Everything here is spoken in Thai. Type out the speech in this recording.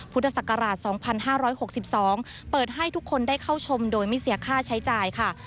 พุทธศักราช๒๕๖๒เปิดให้ทุกคนได้เข้าชมโดยไม่เสียค่าใช้จ่ายค่ะ